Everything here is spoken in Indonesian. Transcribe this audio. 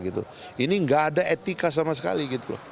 ini nggak ada etika sama sekali